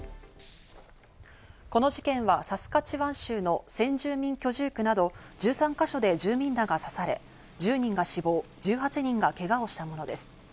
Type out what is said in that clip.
この事件は、サスカチワン州の先住民居住区など１３か所で住民らが刺され、１０人が死亡、１８人がけがをしたものです。